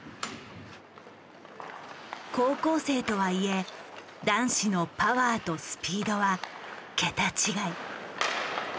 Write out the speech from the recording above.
高校生とはいえ男子のパワーとスピードは桁違い。